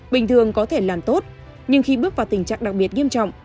bình thường có thể làm tốt nhưng khi bước vào tình trạng đặc biệt nghiêm trọng